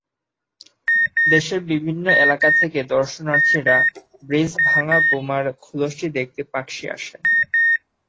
দেশের বিভিন্ন এলাকা থেকে দর্শনার্থীরা ব্রিজ ভাঙা বোমার খোলসটি দেখতে পাকশী আসেন।